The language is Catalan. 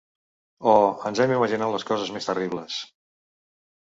Oh, ens hem imaginat les coses més terribles.